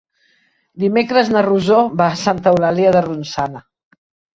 Dimecres na Rosó va a Santa Eulàlia de Ronçana.